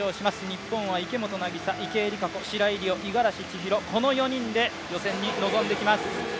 日本は池本凪沙、池江璃花子、五十嵐千尋、この４人で予選に臨んでいきます。